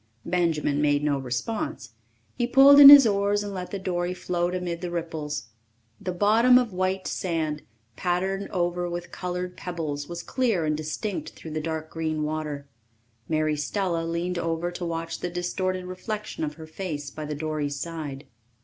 Benjamin made no response. He pulled in his oars and let the dory float amid the ripples. The bottom of white sand, patterned over with coloured pebbles, was clear and distinct through the dark green water. Mary Stella leaned over to watch the distorted reflection of her face by the dory's side.